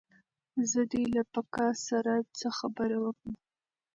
زه دې له پکه سره څه خبره ومه